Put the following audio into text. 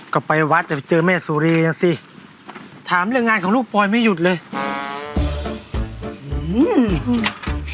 ก็ไปวัดแต่ไปเจอแม่สุรีอ่ะสิถามเรื่องงานของลูกปอยไม่หยุดเลยอืม